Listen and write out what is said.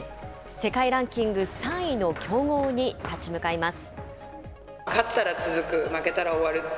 世界ランキング３位の強豪に立ち向かいます。